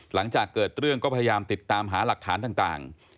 หลังจากเกิดเรื่องก็พยายามติดตามหาหลักฐานต่าง